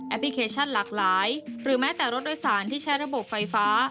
พลิเคชันหลากหลายหรือแม้แต่รถโดยสารที่ใช้ระบบไฟฟ้า